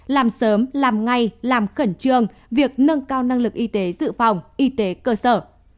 làm sớm làm ngay làm khẩn trương việc nâng cao năng lực y tế dự phòng y tế cơ sở